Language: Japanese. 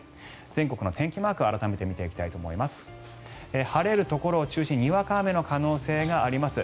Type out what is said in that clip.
全国の天気マークを改めて見ていきたいと思います。